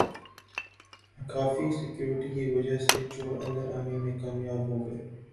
ناکافی سیکورٹی کی وجہ سےچور اندر آنے میں کامیاب ہوگئے